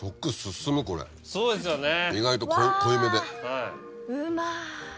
意外と濃いめで。